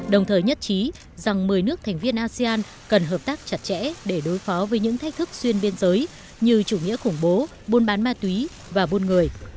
đồng thời nhất trí rằng một mươi nước thành viên asean cần hợp tác chặt chẽ để đối phó với những thách thức xuyên biên giới như chủ nghĩa khủng bố buôn bán ma túy và buôn người